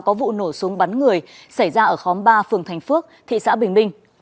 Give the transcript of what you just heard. có vụ nổ súng bắn người xảy ra ở khóm ba phường thành phước thị xã bình minh